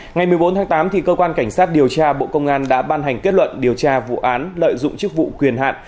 ngày một mươi bốn tháng tám cơ quan cảnh sát điều tra bộ công an đã ban hành kết luận điều tra vụ án lợi dụng chức vụ quyền hạn